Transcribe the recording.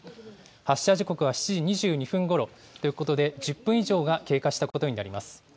発射時刻は７時２２分ごろということで、１０分以上が経過したことになります。